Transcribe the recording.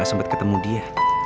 gak sempet ketemu dia